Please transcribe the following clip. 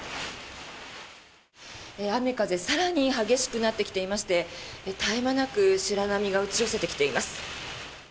雨風更に激しくなってきていまして絶え間なく白波が打ち寄せてきています。